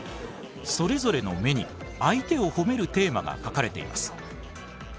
それぞれの目に相手をほめるテーマが書かれています。